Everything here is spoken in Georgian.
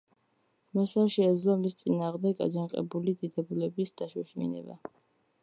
მას არ შეეძლო მის წინააღმდეგ აჯანყებული დიდებულების დაშოშმინება.